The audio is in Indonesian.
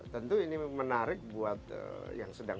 tentu ini menarik buat yang sedang